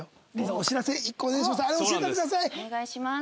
お願いします。